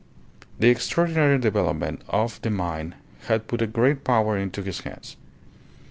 The extraordinary development of the mine had put a great power into his hands.